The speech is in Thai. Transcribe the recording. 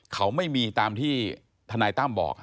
เขาไม่มีตามที่ทนายตั้มบอก